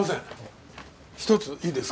１ついいですか？